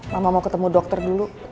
mama mau ketemu dokter dulu